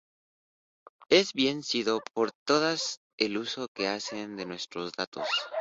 Es bien sabido por todas el uso que hacen de nuestros datos